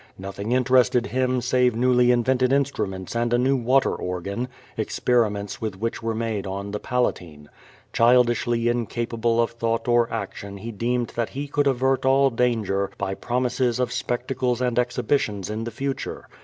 5il QVO VADIS. Nothing interested liim save newly invented instruments and a new water organ, experiments with which were made on the Palatine. Childishly incapable of thought or action he deemed that he could avert all danger by promises of specta cles and exhibitions in the future.